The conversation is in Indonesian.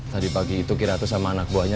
tadi pagi itu kiratu sama anak buahnya